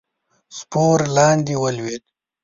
سپور لاندې ولوېد.